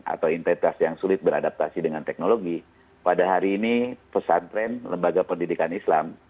atau inteitas yang sulit beradaptasi dengan teknologi pada hari ini pesantren lembaga pendidikan islam